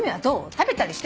食べたりしてる？